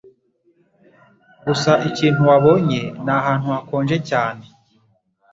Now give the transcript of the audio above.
Gusa ikintu wabonye ni ahantu hakonje cyane